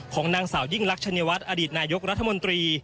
ของนางสาวยิ่งลักษณวัฒน์อดีตนายกรัฐมนตรี